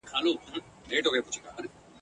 تلویزیون د خلکو پام رااړوي.